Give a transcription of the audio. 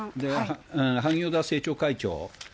萩生田政調会長。